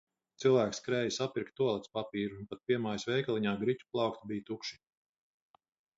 Cilvēki skrēja sapirkt tualetes papīru, un pat piemājas veikaliņā griķu plaukti bija tukši.